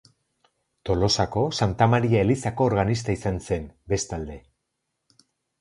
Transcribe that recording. Tolosako Santa Maria elizako organista izan zen, bestalde.